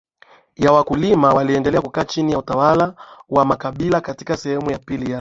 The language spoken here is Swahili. ya wakulima waliendelea kukaa chini ya utawala wa makabailaKatika sehemu ya pili ya